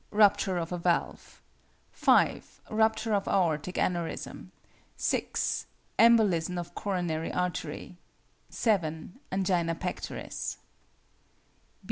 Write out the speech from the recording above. Rupture of a valve. 5. Rupture of aortic aneurism. 6. Embolism of coronary artery. 7. Angina pectoris.